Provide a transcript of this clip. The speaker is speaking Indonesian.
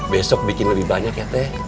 besok bikin lebih banyak ya teh